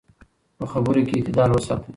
په خبرو کې اعتدال وساتئ.